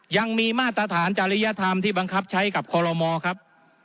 ยังมีมาตรฐานจริยธรรมที่บังคับใช้กับคอลโลมอครับ